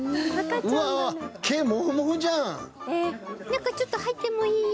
中ちょっと入ってもいい？